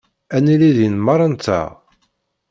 Ad nili din merra-nteɣ.